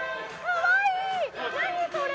何これ！？